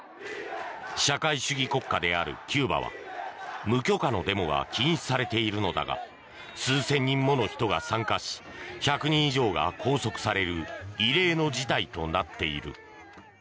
社会主義国家であるキューバは無許可のデモが禁止されているのだが数千人もの人が参加し１００人以上が拘束される異例の事態となっている。